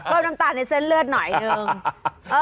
น้ำตาลในเส้นเลือดหน่อยนึง